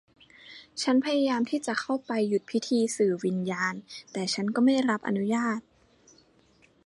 ฉันพยายามที่จะเข้าไปหยุดพิธีสื่อวิญญาณ แต่ฉันก็ไม่ได้รับอนุญาต